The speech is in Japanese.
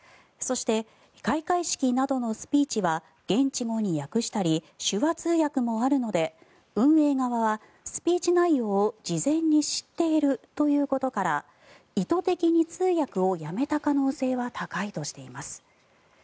そして開会式などのスピーチは現地語に訳したり手話通訳もあるので運営側はスピーチ内容を事前に知っているということから意図的に通訳をやめた可能性は高いとしています。